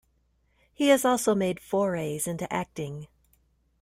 He has also made forays into acting.